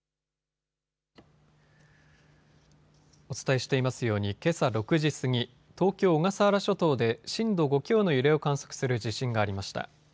お伝えしていますようにけさ６時過ぎ、東京小笠原諸島で震度５強の揺れを観測する地震がありました。